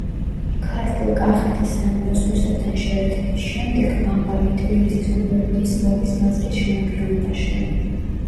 ქართლ-კახეთის სამეფოს რუსეთთან შეერთების შემდეგ ბამბაკი თბილისის გუბერნიის ლორის მაზრის შემადგენლობაშია.